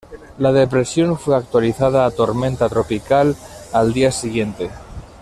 La depresión fue actualizada a tormenta tropical al día siguiente.